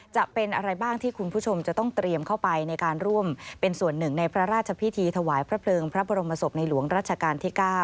จะเป็นอะไรบ้างที่คุณผู้ชมจะต้องเตรียมเข้าไปในการร่วมเป็นส่วนหนึ่งในพระราชพิธีถวายพระเพลิงพระบรมศพในหลวงรัชกาลที่๙